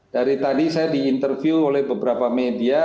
dari tadi saya diinterview oleh beberapa media